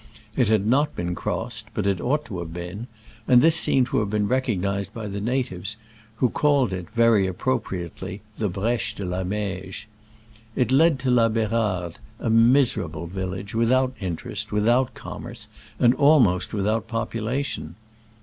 It had not been crossed, but it ought to have been ; and this seemed to have been recognized by the natives, who called it, very appropriately, the Breche de la Meije. It led to La B^rarde, a miserable village, without interest, with out commerce, and almost without popu lation.